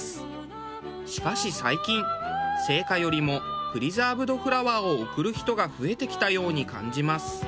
しかし最近生花よりもプリザーブドフラワーを贈る人が増えてきたように感じます。